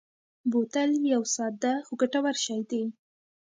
بوتل یو ساده خو ګټور شی دی.